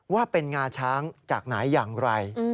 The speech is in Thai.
ว่าเป็นงาช้างจากไหนอย่างไร